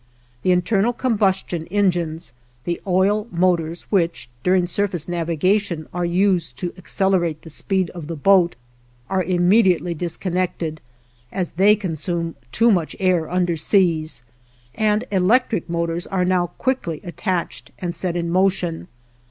The internal combustion engines, the oil motors which, during surface navigation are used to accelerate the speed of the boat, are immediately disconnected, as they consume too much air underseas, and electric motors are now quickly attached and set in motion.